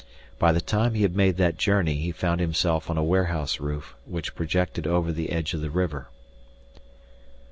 By the time he had made that journey he found himself on a warehouse roof which projected over the edge of the river.